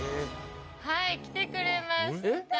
はい来てくれました